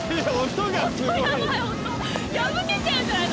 破けちゃうんじゃないの？